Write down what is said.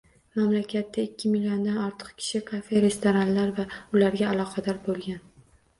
Mamlakatda ikki milliondan ortiq kishi kafe-restoranlar va ularga aloqador boʻlgan